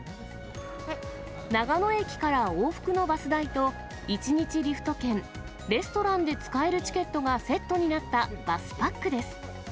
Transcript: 長野駅から往復のバス代と１日リフト券、レストランで使えるチケットがセットになったバスパックです。